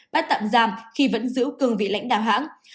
bắt tạm giam khi vẫn giữ cương vị lãnh đạo hãng